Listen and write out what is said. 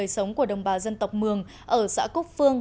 sống của đồng bào dân tộc mường ở xã cúc phương